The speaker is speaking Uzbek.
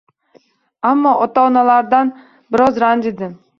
Ammo ota-onalardan biroz ranjidim.